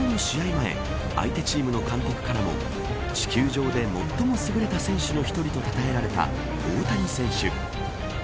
前相手チームの監督からも地球上で最も優れた選手の一人とたたえられた大谷選手。